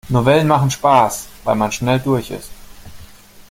Novellen machen Spaß, weil man schnell durch ist.